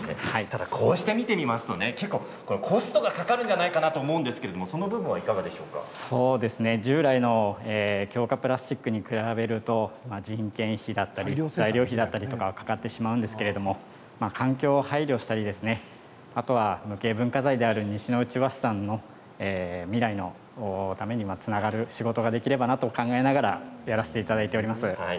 ただ、こうして見るとコストがかかるんじゃないかと従来の強化プラスチックに比べると人件費だったり材料費だったりとかかかってしまうんですけれど環境に配慮したりあとは無形文化財である西ノ内和紙さんの未来のためにつながる仕事ができればなと考えながらやらせていただいております。